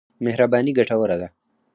مهرباني ګټوره ده.